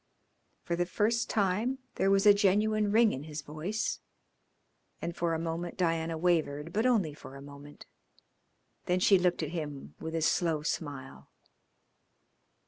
For the first time there was a genuine ring in his voice, and for a moment Diana wavered, but only for a moment. Then she looked at him with a slow smile.